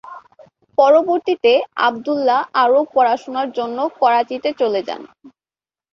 পরবর্তীতে আবদুল্লাহ আরও পড়াশোনার জন্য করাচিতে চলে যান।